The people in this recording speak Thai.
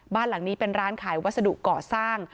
บ้านหลังนี้เป็นร้านขายวัสดุก่อสร้าง